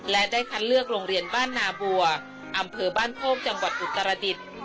และได้คัดเลือกโรงเรียนบ้านนาบัวอำเภอบ้านโพกจังหวัดอุตรดิษฐ์